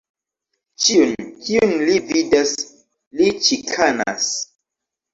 Ĉiun, kiun li vidas, li ĉikanas.